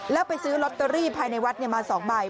แล้วไปซื้อลอตเตอรี่ภายในวัดมา๒ใบ